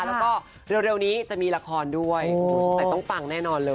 แล้วก็เร็วนี้จะมีละครด้วยแต่ต้องปังแน่นอนเลย